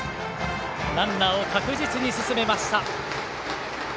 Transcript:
ランナーを確実に進めました。